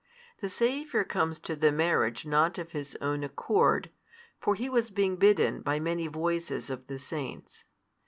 The Saviour comes to the marriage not of His own accord; for He was being bidden by many voices of the Saints.